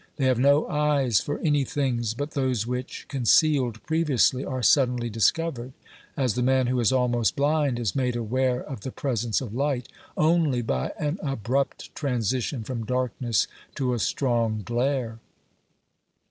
They have no eyes for any things but those which, concealed previously, are suddenly discovered, as the man who is almost blind is made aware of the presence of light only by an abrupt transition from darkness to a strong glare.